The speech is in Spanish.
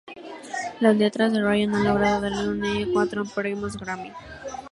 Las letras de Ryan han logrado darle a Enya cuatro Premios Grammy.